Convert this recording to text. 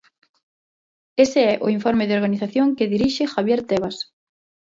Ese é o informe da organización que dirixe Javier Tebas.